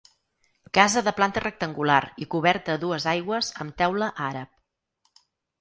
Casa de planta rectangular i coberta a dues aigües amb teula àrab.